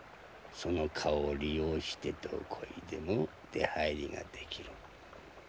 その顔を利用してどこへでも出はいりができる。